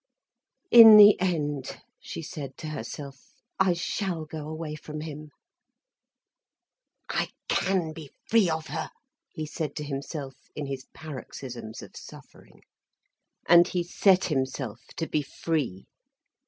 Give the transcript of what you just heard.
"In the end," she said to herself, "I shall go away from him." "I can be free of her," he said to himself in his paroxysms of suffering. And he set himself to be free.